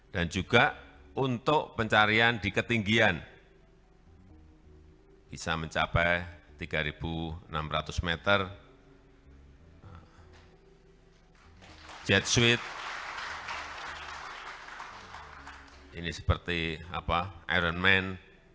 dan juga untuk pencarian di ketinggian bisa mencapai tiga enam ratus meter jet suite ini seperti iron man